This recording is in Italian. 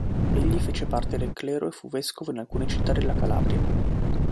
Egli fece parte del clero e fu vescovo in alcune città della Calabria.